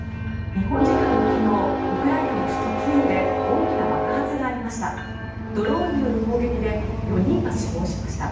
日本時間の昨日ウクライナの首都キーウで大きな爆発がありました。